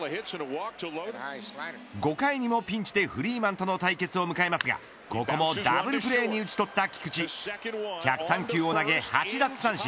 ５回にもピンチでフリーマンとの対決を迎えますがここもダブルプレーに打ち取った菊池１０３球を投げ８奪三振。